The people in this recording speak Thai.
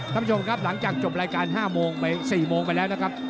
ท่านผู้ชมครับหลังจากจบรายการ๕โมงไปแล้วนะครับ